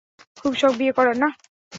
খুব শখ, বিয়ে করার না?